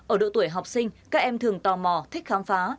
ở độ tuổi học sinh các em thường tò mò thích khám phá